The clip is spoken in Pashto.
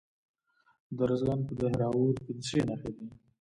د ارزګان په دهراوود کې د څه شي نښې دي؟